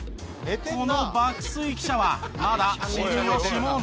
この爆睡記者はまだ知る由もない。